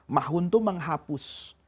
mahwun itu menghapus